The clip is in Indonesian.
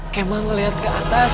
kemah ngeliat ke atas